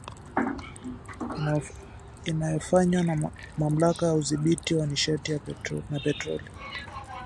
inayofanywa na Mamlaka ya Udhibiti wa Nishati na Petroli